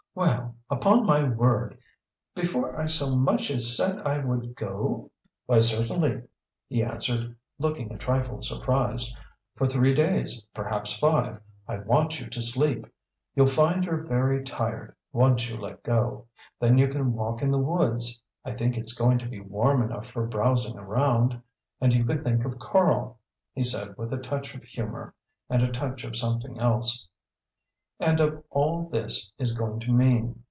"Well upon my word! Before I so much as said I would go?" "Why certainly," he answered, looking a trifle surprised. "For three days, perhaps five, I want you to sleep. You'll find you're very tired once you let go. Then you can walk in the woods I think it's going to be warm enough for browsing around. And you can think of Karl," he said with a touch of humour, and a touch of something else, "and of all this is going to mean.